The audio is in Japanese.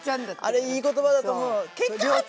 あれいい言葉だと思う。